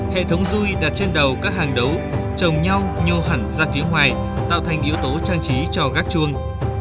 hệ thống rui đặt trên đầu các hàng đấu trồng nhau nhô hẳn ra phía ngoài tạo thành yếu tố trang trí cho gác chuông